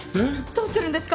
どうするんですか？